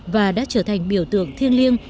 và đã trở thành biểu tượng thiêng liêng